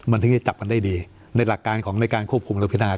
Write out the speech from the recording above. มันถึงจะจับมันได้ดีในหลักการของในการควบคุมระวังพินาศาสตร์